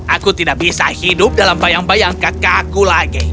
aku tidak bisa hidup dalam bayang bayang kakakku lagi